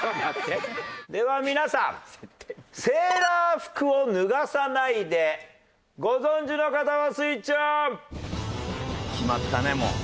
では皆さんセーラー服を脱がさないでご存じの方はスイッチオン！決まったねもう。